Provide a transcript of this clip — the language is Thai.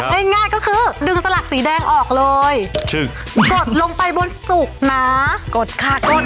ง่ายง่ายก็คือดึงสลักสีแดงออกเลยกดลงไปบนจุกนะกดค่ะกด